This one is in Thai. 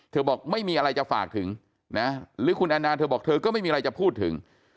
บอกไม่มีอะไรจะฝากถึงนะหรือคุณแอนนาเธอบอกเธอก็ไม่มีอะไรจะพูดถึง